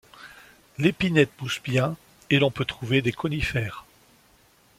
L’épinette pousse bien, et l’on peut trouver des conifères.